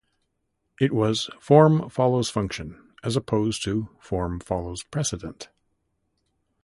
It was "form follows function", as opposed to "form follows precedent".